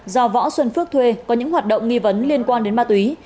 do võ xuân phước thuê có những hoạt động nghi vấn liên quan đến ma túy